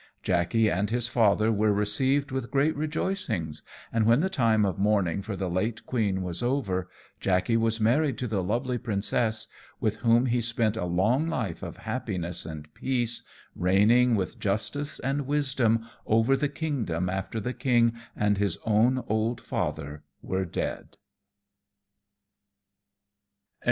Jackey and his father were received with great rejoicings, and when the time of mourning for the late queen was over, Jackey was married to the lovely princess, with whom he spent a long life of happiness and peace, reigning with justice and wisdom over the kingdom after the king and his own old father were dead.